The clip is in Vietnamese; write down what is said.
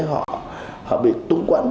họ bị túng quẫn